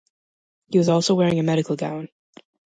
He was also wearing a medical gown.